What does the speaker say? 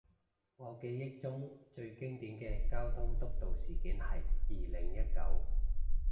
我記憶中最經典嘅交通督導事件係二零一九